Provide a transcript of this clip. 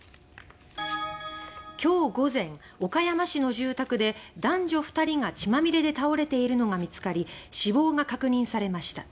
今日午前岡山市の住宅で男女２人が血まみれで倒れているのが見つかり死亡が確認されました。